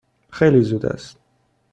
خیلی زود است.